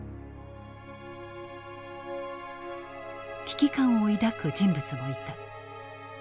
危機感を抱く人物もいた。